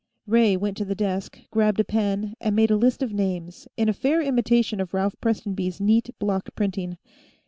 Ray went to the desk, grabbed a pen, and made a list of names, in a fair imitation of Ralph Prestonby's neat block printing.